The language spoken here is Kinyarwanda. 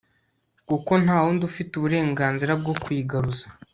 kuko nta wundi ufite uburenganzira bwo kuyigaruza